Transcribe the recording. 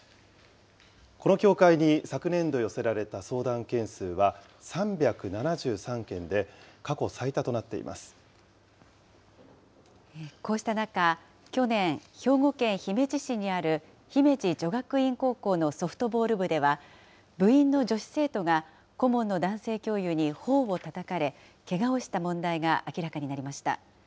この協会に昨年度寄せられた相談件数は３７３件で、こうした中、去年、兵庫県姫路市にある姫路女学院高校のソフトボール部では、部員の女子生徒が顧問の男性教諭にほおをたたかれ、けがをした問題が明らかになりました。